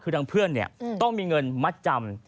คือทางเพื่อนต้องมีเงินมัดจำ